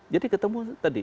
jadi ketemu tadi